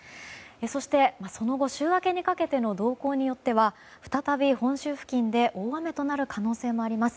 そしてその後、週明けにかけての動向によっては再び本州付近で大雨となる可能性もあります。